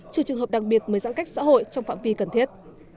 trừ trường hợp đặc biệt mới giãn cách xã hội trong phạm vi cần thiết